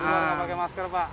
kalau dulu nggak pakai masker pak